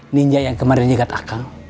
ninja yang kemarin nyegat akan